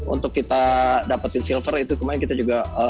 untuk kita dapetin silver itu kemarin kita juga